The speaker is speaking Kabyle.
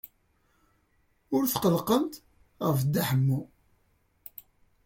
Ur tqellqent ɣef Dda Ḥemmu.